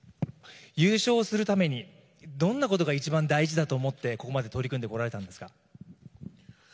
優勝するためにどんなことが一番大事だと思ってここまで取り組んでこられたんですか？